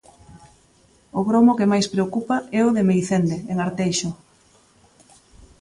O gromo que máis preocupa é o de Meicende, en Arteixo.